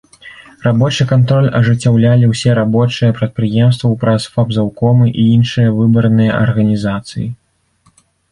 Рабочы кантроль ажыццяўлялі ўсе рабочыя прадпрыемстваў праз фабзаўкомы і іншыя выбарныя арганізацыі.